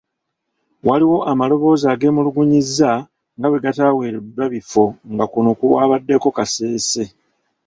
Waliwo amaloboozi ageemulugunyizza nga bwe gataaweereddwa bifo nga kuno kwabaddeko Kasese.